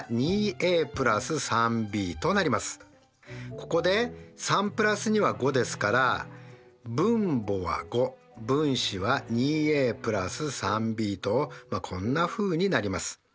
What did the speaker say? ここで３＋２は５ですから分母は５分子は２ａ＋３ｂとこんなふうになります。